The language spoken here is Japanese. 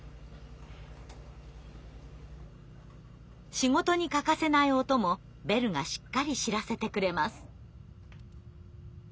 仕事に欠かせない音もベルがしっかり知らせてくれます。